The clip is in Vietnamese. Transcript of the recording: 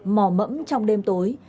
mò mẫm trong đêm tối